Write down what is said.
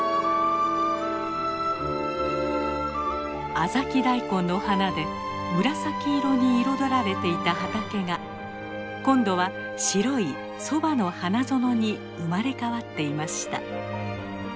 アザキダイコンの花で紫色に彩られていた畑が今度は白いそばの花園に生まれ変わっていました。